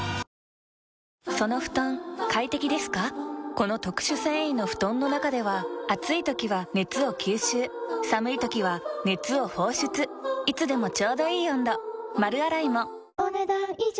この特殊繊維の布団の中では暑い時は熱を吸収寒い時は熱を放出いつでもちょうどいい温度丸洗いもお、ねだん以上。